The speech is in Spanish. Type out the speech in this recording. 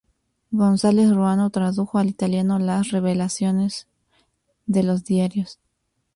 González Ruano tradujo al italiano las revelaciones de los diarios.